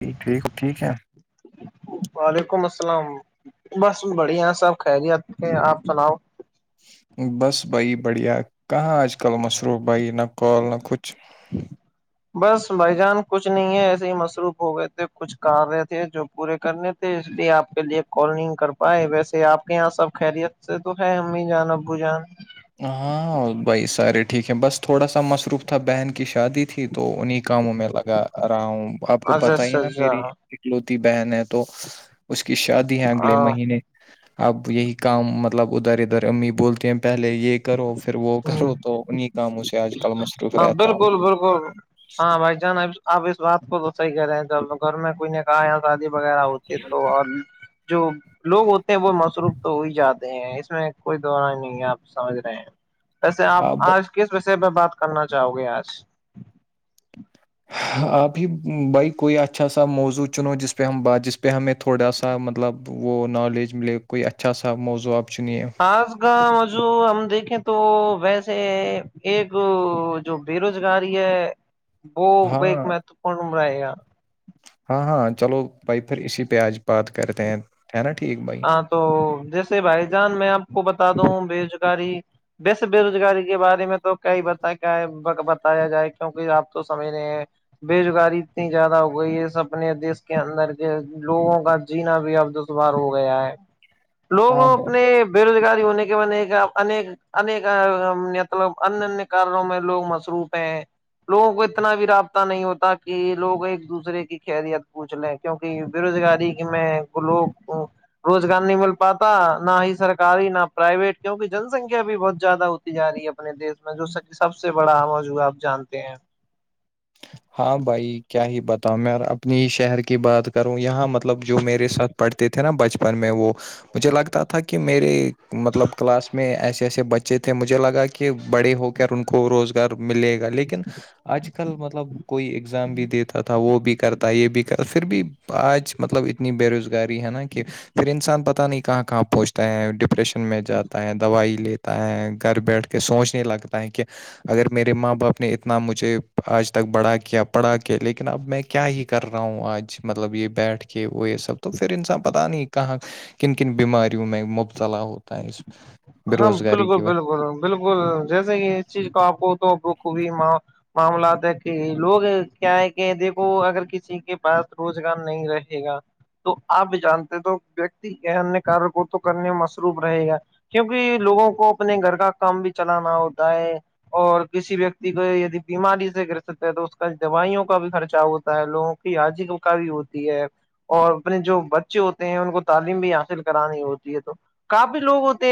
جی ٹھیک ٹھیک ہے وعلیکم السلام بس بڑھیا سب خیریت ہے آپ سناؤ بس بھائی بڑھیا کہاں آج کل مشروف بھائی نہ کال نہ کچھ بس بھائی جان کچھ نہیں ہے ایسے ہی مصروف ہو گئے تھے کچھ کار رہے تھے جو پورے کرنے تھے اس لیے آپ کے لیے کال نہیں کر پائے ویسے آپ کے یہاں سب خیریت سے تو ہے امی جان ابو جان ہاں بھائی سارے ٹھیک ہے بس تھوڑا سا مصروف تھا بہن کی شادی تھی تو انہی کاموں میں لگ لگا رہا ہوں آپ کو اچھا پتا ہی اچھا نا اچھا میری اکلوتی بہن ہے تو اس کی شادی ہیں اگلے ہاں مہینے اب یہی کام مطلب ادھر ادھر امی بولتے ہیں پہلے یہ کرو پھر وہ کرو تو انیں کاموں سے آج کل مصروف ہاں رہتا بالکل ہوں بالکل ہاں بھائی جان آپ اس بات کو تو صحی کہہ رہے ہیںو گھر میں کوئی نے کہا اپرادی وغیرہ ہوتے تو اور جو [unintelligible] لوگ ہوتے ہیں وہ مصروف تو ہو ہی جاتے ہیں اس میں کوئی دورہ نہیں ہے آپ سمجھ رہے ہیں ویسے آپ آج کس وشے پ بات کرنا چاہو گے آج آپ ہی بھائی کوئی اچھا سا موضوع چنو جس پہ ہم بات جس پہ ہمیں تھوڑا سا مطلب وہ نالج ملے کوئی اچھا سا موضوع آپ چنیے آس گا مض ہم دیکھیں تو ویسے ایک [inaudible] جو بے روزگاری ہے وہ ہاں ایک مہتوپورن عمرے گا ہاں ہاں چلو بھائی پھر اسی پہ آج بات کرتے ہیں ہے نا ٹھیک ب ہاں تو جیسے بھائی جان میں آپ کو بتا دوں بے روزگاری ویسے بے روزگاری کے بارے میں تو کیا ہی بتا بتایا جائے کیونکہ آپ تو سمج نہیں ہیں بے روزگاری اتنی زیادہ ہو گئی ہے س اپنے دیس کے اندر کے لوگوں کا جینا بھی اب دشوار ہوگا گیا ہے لوگوں ہاں بھائی اپنے بے روزگاری ہونے کے بنے کا انیک انیک مطلب انیہ انیہ کارنوں میں لوگ مصروف ہیں لوگوں کو اتنا بھی رابطہ نہیں ہوتا کہ لوگ ایک دوسرے کی خریت پوچھ لیں کیونکہ بے روزگاری کی میں لوگ روزگار نہیں مل پاتا نہ ہی سرکاری نہ پرائیویٹ کیونکہ جن سنکھیا بھی بہت زیادہ ہوتی جا رہی ہے اپنے دیش میں جو سب سے بڑا آمو جوا آپ جانتے ہیں ہاں بھائی کیا ہی بتاؤں میں اپنی شہر کی بات کروں یہاں مطلب جو میرے ساتھ پڑ تھے نا بچپن میں وہ مجھے لگتا تھا کہ میرے مطلب کلاس میں ایسے ایسے بچے اچے تھے مجھے لگا کہ بڑے ہو کر ان کو روزگار ملے گا لیکن آج کل مطلب کوئی ایگزام بھی دیتا تھا وہ بھی کرتا یہ بھی کر پھر بھی آج مطلب اپنی بے روزگاری ہے نا کہ پھر انسان پتہ نہیں کہاں کہاں پہچتا ڈپریشن میں جاتا ہے دوائی لیتا ہے گھر بیٹھ کے سوچنے لگتا ہے کہ اگر میرے ماں باپ نے اتنا مجھے آج تک بڑھا کیا کیا پڑھا کے لیکن اب میں کیا ہی کر رہا ہوں آج مطلب یہ بیٹھ کے وہ یہ سب تو پھر انسان پتاہ نہیں کہاں کن کن بیماریوں میں مبتلا ہوتا ہے اس بے ہاں بالکل روزگاری کی وجہ بالکل بالکل جیسے ہی اس چیز کو آپ کو تو بک ہوئی ماں معاملات ہے کہ لوگ کیا ہے کہ دیکھو اگر کسی کے پاس روزگار نہیں رہے گا تو آپ جانتے تو ویکتی یہیہ کار کو تو کرنے مصروب رہے گا کیوںکہ لوگوں کو اپنے گھر کا کام بھی چلانا ہوتا ہے اور کسی ویکتی کو یدی بیماری سے گر سکتے ہیں تو اس کا دوائیوں کا بھی خرچہ ہوتا ہے لوگوں کو پ آج کل کا بھیی ہوتی ہے اور اپنے جو بچے ہوتے ہیں ان کو تعلیم بھی حاصل کرانی ہوتی ہے تو کافی لوگ ہوتے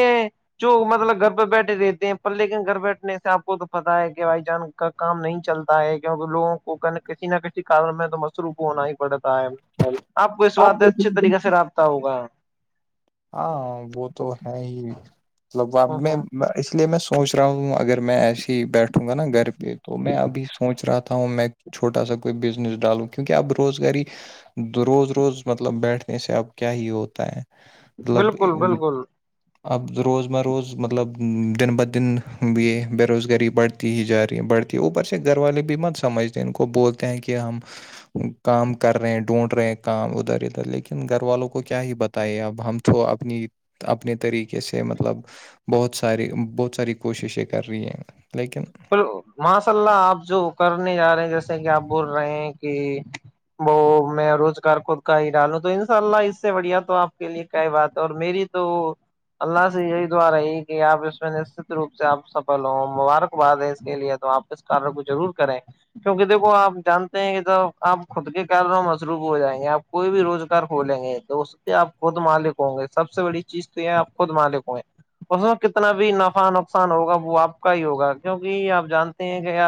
جو مطلب گھر پہ بیٹھے رہتے ہیں پر لیکن گھر بیٹھنے سے آپ کو تو پتا ہے کہ بھائی جان کا کام نہیں چلتا ہے کیوںکہ لوگوں کو کسی نہ کسی کارن میں تو مصروف ہونا ہی پڑتا ہے سے۔ آپ کو اس بات اچھے طریقے سے رابطہ ہوگا ہاں وہ تو ہے ہی مطلب میں اس لیے میں سوچ رہا ہوں اگر میں ایسے ہی بیٹھوں گا نا گھر پہ تو میں ابھی سوچ رہا تھا ہوں میں چھوٹا سا کوئی بزنس ڈالو کیونکہ اب روزگاری روز روز مطلب بیٹھنے سے اب کیا ہی ہوتا ہے مطلب بالکل بالکل اب روز مہ روز مطلب دن بہ دن یہ بے روزگاری بڑھتی تی ہی جا رہی ہے بڑھتی ہے اوپر سے گھر والے بھی مت سمجھتے ہیں ان کو بولتے ہیں کہ ہم کام کر رہے ہیں ڈھونڈ رہے ہیں کام ادھر ادھر لیکن گھر والوں کو کیا ہی بتے اب ہم تو اپنی اپنے طریقے سے مطلب بہت ساری بہت ساری کوششیں کر رہی ہیں لیکن ماشاء اللہ آپ جو کرنے جا رہے ہیں جیسے کہ آپ بول رہے ہیں کہ وہ میں روزگار خود کا ہی ڈالوں تو انشاء اللہ اس سے بڑھیا تو آپ کے لیے کیا بات ہے اور میری تو اللہ سے یہی دعا رہی کہ آپ اس میں نشچت روپ سے آپ سفل ہ مبارک ب دیں اس کے لیے تو آپ اس کار کو ضرور کریں کیونکہ دیکھو آپ جانتے ہیں کہ توب آپ خود کے کہل رہو مصروف ہو جائیں گے آپ کوئی بھی روزگار کھولیں گے تو آپ خود مالک ہوں گے سب سے بڑی چیز تو یہ آپ خود مالک ہوںے اس میں کتنا بھی نفع نقصان ہوگا وہ آپ کا ہی ہوگا کیوںہ آپ جانتے ہیں کہ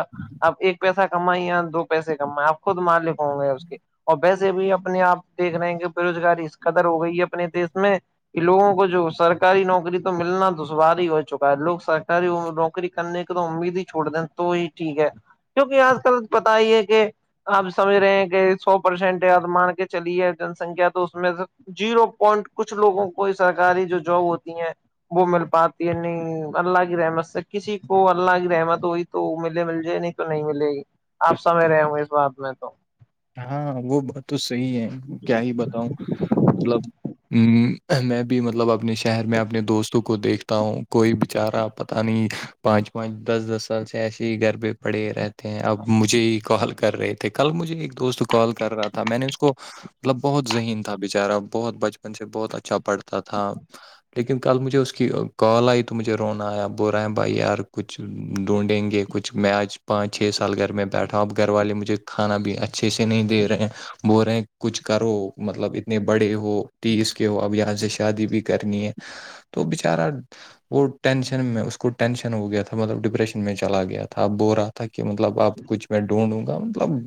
آپ ایک پیسہ کمائیں یا دو پیسے کم آپ خود مار ل ہوں گے اس کے اور ویسے بھی اپنے آ دیکھ رہے ہیں کہ بے روزگاری اس قدر ہو گئی ہے اپنے دیس میں یہوگوں کو جو سرک سرکاری نوکری تو ملنا دشواری ہو چکا ہے لوگ سرکاری نوکری کرنے کے امید ہی چھوڑ دین تو ہی ٹھیک ہے کیونکہ آج کل پتا ہی ہے کہ آپ سمجھ رہے ہیں کہ سو پرسینٹ یاد مان کے چلی ہے جن سنکھیا تو اس میں سے جیرو پوائنٹ کچھ لوگوں کو سرکاری جو جاب ہوتی ہیں وہ مل پاتی ہے نہیں اللہ کی رحمت سے کسی تو اللہ کی رحمت ہوی تو ملے مل جائے نہیں تو نہیں ملے گی آپ سمج رہے ہو اس بات میں تو ہاں وہ بات تو صحیح ہے کیا ہی بتاؤں مطلب میں بھی مطلب اپنے شہر میں اپنے دوستوں کو دیکھتا ہوں کوئی بچارہ پت نہیں پانچ پانچ دس دس سال سے ایسے ہی گھر پہ پڑے رہتے ہیں اب مجھے ہی کال کر رہے تھے کل مجھے ایک دوست کال کر رہا تھا میں نے اس کو مطلب بہت ذہین تھا بچارہ بہت بچپن سے بہت اچھا پڑھتا تھا لیکن کل مجھے اس کی کال آئی تو مجھے رونا آیا بول رہا ہے بھائی یار کچھ ڈھونڈیں گے کچھ میں آج پانچ چھ سال گھر میں بیٹھا ہوں اب گھر والے مجھے کھانا بھی اچھے سے نہیں دے رہے ہیں بول رہے ہیں کچھ کرو مطلب اتنے بڑے ہو تیس کے ہو اب یہاں سے شادی بھی کرنی ہے تو بچارا وہ ٹینشن میں اس کو ٹینشن ہو گیا تھا مطلب ڈپریشن میں چلا گیا تھا اب بورا تاکہ مطلب اب کچھ میں ڈھونڈوں گا مطلب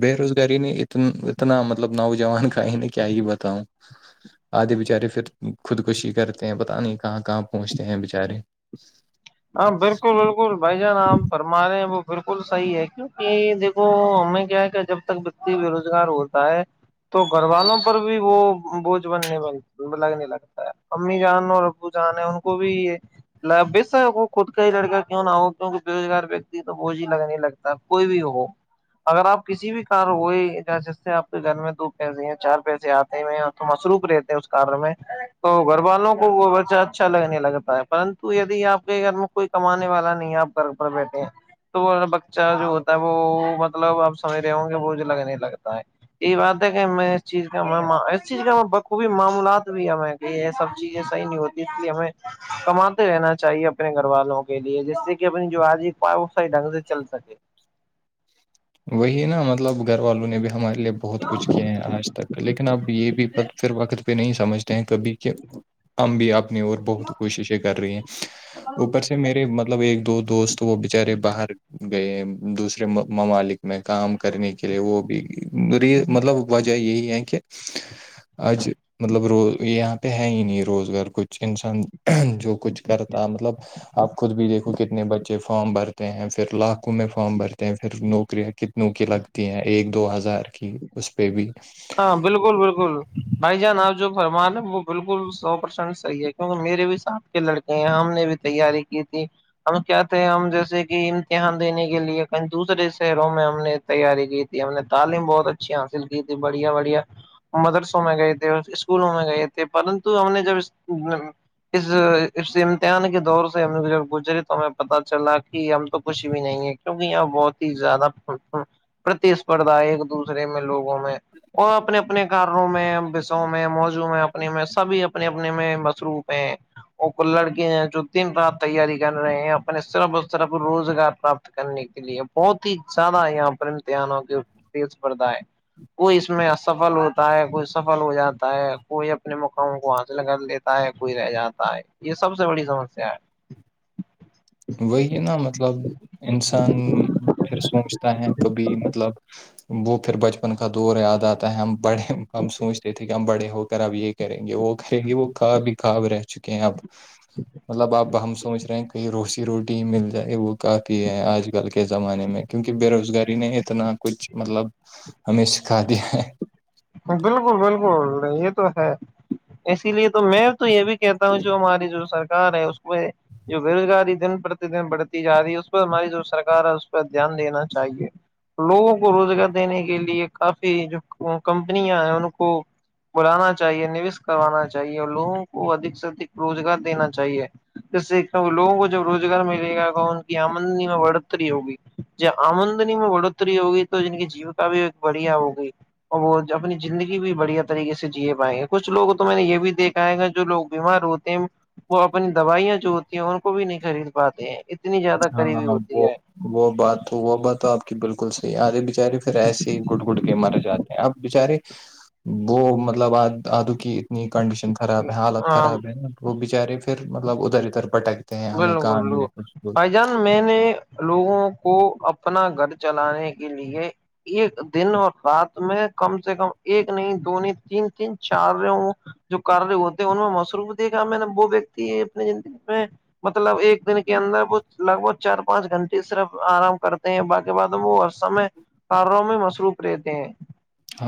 بے روزگاری نے ات اتنا مطلب نوجوان کا ہی نے کیا ہی بتاؤں آدھے بیچارے پھر خود کشی کرتے ہیں پتہ نہیں کہاں کہاں پہنچتے ہیں بیچارے ہاں بالکل بالکل بھائی جان آپ بھرما رہے ہیں وہ بالکل صحیح ہے کیک تو ہمیں کیا ہے کہ جب تک بتی بے روزگار ہوتا ہے تو گھر والوں پر بھی وہ بوجھ بننے میں لگنے لگتا ہے امی جان اور ابو جان ہے ان کو بھی یہ ل ایسا خود کا ہی لڑکا کیوں نہ ہو کیوں کہ بے روزگار ویکتی تو بوھ ہی لگنے نہیں لگتا کوئی بھی ہو اگر آپ کسی بھی کار ہوئے ج جس سے آپ کے گھر میں دو پیسے یا چار پیسے آتے ہوئے مصروف رہتے ہیں اس کار میں تو گھر والوں کو وہ بچہ اچھا لگنے لگتا ہے پرنت یدی آپ کے گھر میں کوئی کمانے والا نہیں ہے آپ گھر پر بیٹھے ہیں تو وہ بچہ جو ہوتا ہے وہ مطلب آپ سمج رہے ہوں گے وہجھے لگا نہیں لگتا ہے یہی بات ہے کہ میں اس چیز کا میں اس چیز کا میں بخوبی معاملات بھی ہے کہ یہ سب چیزیں صحی نہیں ہوتی اس لیے ہمیں کماتے رہنا چاہیے اپنے گھر والوں کے لیے جس سے کہ اپنی جو آج پ صی ڈنگ سے چل سکے وہی نا مطلب گھر والوں نے بھی ہمارے لیے بہت کچھ کیے ہیں آج تک لیکن اب یہ بھی پھر وقت پہ نہیں سمجھتے ہیں کبھی کہ ہم بھی آپ اپنی اور بہت کوششیں کر رہی ہیں اوپر سے میرے مطلب ایک دو دوست تو وہ بچارے باہر گئے دوسرے ممالک میں کام کرنے کے لیے وہ بھی مطلب وجہ یہی ہے کہ اج مطلب روز یہاں پہ ہے ہی نہیں روزگار کچھ انسان جو کچھ کرتا مطلب آپ خود بھی دیکھو کتنے بچے فارم بھرتے ہیں پھر لاکھوں میں فارم بھرتے ہیں پھر نو شکری کتنوں کی لگتی ہیں ایک دو ہزار کی اس پہ بھی ہاں بالکل بالکل بھائی جان آپ جو فرمانیں وہ بالکل سو پرسنٹ صحی ہے کیہ میرے بھی ساتھ کے لڑکے یہ یہاں ہم نے بھی تیاری کی تھی ہم کیا تھے ہم جیسے کہ امتحان دینے کے لیے کہیں دوسرے شہروں میں ہم نے تیاری کی تھی ہم نے تعلیم بہت اچھی حاصل کی تھی بڑھیا بڑھیا مدرسوں میں گئے تھے اسکولوں میں گئے تھے پرنتو ہم نے جب اس اس امتحان کے دور سے ہم نے جب گزری تو ہمیں پتہ چلا کہ ہم تو کچھ بھی نہیں ہے کیونکہ یہاں بہت ہی زیادہ پرتیسپردا ایک دوسرے میں لوگوں میں اور اپنے اپنے کاروں میں بصوں میں موضوں میں اپنے میں سبھی اپنے اپنے میں مصروف ہیں وہ کو لڑکے ہیں جو دین رات تیاری کر رہے ہیں اپن اس طرح اس طرح روزگار پراپت کرنے کے لیے بہت ہی زیادہ یہاں پر امتحانوں کیسپرھا ہے کوئی اس میں افل ہوتا ہے کوئی سفل ہو جاتا ہے کوئی اپنے مقاموں کو حاصل کر لیتا ہے کوئی رہ جاتا ہے یہ سب سے بڑی سمسیا ہے وہی ہے نا مطلب انسان پھر سوچتا ہے کبھی مطلب وہ پھر بچپن کا دور یاد آتا ہے ہم بڑے ہم سوچتے تھے کہ ہم بڑے ہو اب یہ کریں گے وہ کریں گے وہ کاب بھی خاب رہ چکے ہیں اب مطلب اب ہم سب سمج رہے ہیں کہیں روش کی روٹی مل جائے وہ کافی ہیں آج کل کے زمانے میں کیونکہ بے روزگاری نے اتنا کچھ مطلب ہمیں سکھا دیا ہے بالکل بالکل یہ تو ہے اسی لیے تو میں تو یہ بھی کہتا ہوں جو ہماری جو سرک ہے اس کو جو بےروزگاری دن پرتی دن بڑھتی جا رہی ہے اس پ ہماری جو سرکار ہے اس پ دھیان دینا چاہیے لوگوں کو روزگار دینے کے لیے کافی جو کمپنیاں ہیں ان کو بلانا چاہیے نوش کروانا چاہیے اور لوگوں کو ادک سے ادک روزگار دینا چاہیے جس سےتے کہ لوگوں کو جب روزگار ملے گا تو ان کی آمدنی میں بڑتری ہوگی ج آمدنی میں بڑھتری ہوگی تو جن کی جیوکا بھی ایک بڑھیا ہوگی اور وہ اپنی زندگی بھی بڑھیا طریقے سے جی پائیں گے کچھ لوگ تو میں نے یہ بھی دیکھا ہے گا جو لوگ بیمار ہوتے ہیں وہ اپنی دوائیاں جو ہوتی ہیں ان کو بھی نہیں خرید پاتے ہیں اتنی زیادہ قریبی ہاںاں ہوتی وہ وہ بات تو وہ بات تو آپ کی بالکل صحی آ رہے بچارے پھر ایسے ہی گٹ گٹ کے مارے جاتے اب بچارے وہ مطلب آ آدو کی ن کنڈیشن خراب ہے حالت خراب ہے وہ بچارے پھرطلب ادھر ادھر پٹک گی بول نگ لو پائی جان میں نے لوگوں کو اپنا گھر چلانے کے لیے ایک دن اور رات میں کم سے کم ایک نہیں دو نہیں تین تین چار جو کارر ہوتے ہیں ان میں مصروف د کہ میں نے وہ ویکتی اپنی زندگی میں مطلب ایک دن کے اندر وہ لگ بھگ چار پانچ گھنٹے صرف آرام کرتے ہیں باقی بعد ہم وہ سمے کارروں میں مصروف رہتے ہیں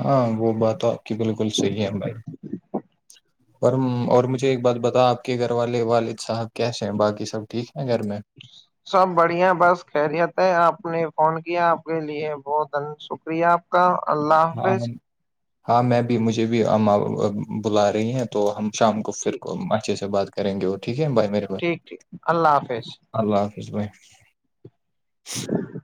ہاں وہ بات آپ کی بالکل صحیح ہے بھائی [inaudible] اور اور مجھے ایک بات بتا آپ کے گھر والے والد صاحب کیسے ہیں باقی سب ٹھیک ہیں گھر میں ج سب بڑھیا بس خیریت ہے آپ نے فون کیا آپ کے لیے بہت شکریہ آپ کا ہاں لمفے ہاں میں بھی مجھے بھی بلا رہی ہیں تو ہم شام کو پھر کو اچھے سے بات کریں گے وہ ٹھیک ہے بھائی میرے پس ٹھیک ٹھیک اللہ حافظ اللہ حافظ بھائی ا